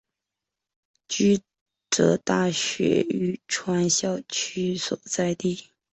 驹泽大学玉川校区所在地。